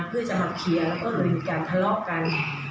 เพื่อจะหักเคลียร์แล้วก็เลยมีการทะเลาะกัน